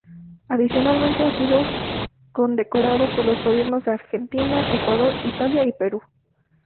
Adicionalmente, ha sido condecorado por los gobiernos de Argentina, Ecuador, Italia y Perú.